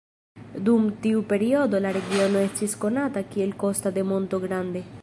Dum tiu periodo la regiono estis konata kiel Costa de Monto Grande.